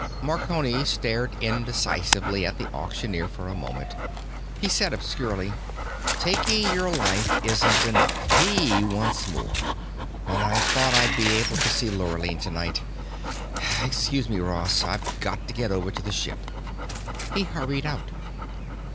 Marconi stared indecisively at the auctioneer for a moment. He said obscurely, "Taking your life isn't enough; he wants more. And I thought I'd be able to see Lurline tonight. Excuse me, Ross. I've got to get over to the ship." He hurried out.